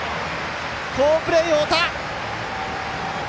好プレー、太田！